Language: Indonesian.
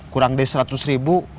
kurang dari seratus ribu